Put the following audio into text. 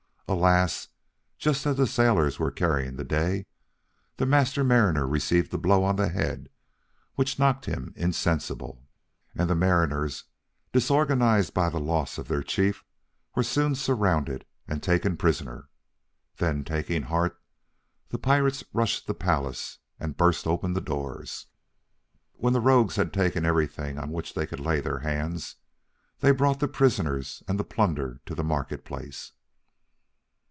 Alas! just as the sailors were carrying the day, the Master Mariner received a blow on the head which knocked him insensible, and the mariners, disorganized by the loss of their chief, were soon surrounded and taken prisoners. Then, taking heart, the pirates rushed the palace, and burst open the doors. When the rogues had taken everything on which they could lay their hands, they brought the prisoners and the plunder to the marketplace.